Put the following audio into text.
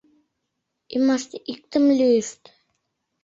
Ӱмаште иктым лӱйышт.